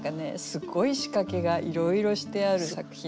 すごい仕掛けがいろいろしてある作品なんですよね。